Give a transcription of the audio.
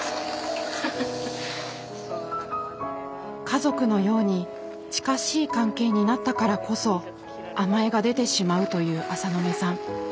家族のように近しい関係になったからこそ甘えが出てしまうという浅野目さん。